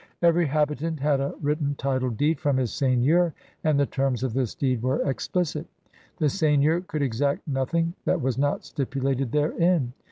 Every habitant had a written title deed from his seigneur and the terms of this deed were explicit. The seigneur could exact nothing that was not stipulated therein.